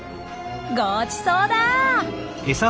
「ごちそうだ！」。